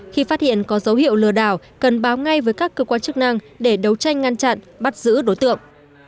khi phát hiện có dấu hiệu lừa đảo cần báo ngay với các cơ quan chức năng để đấu tranh ngăn chặn bắt giữ đối tượng